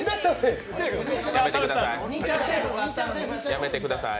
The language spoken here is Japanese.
やめてください。